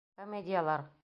Комедиялар.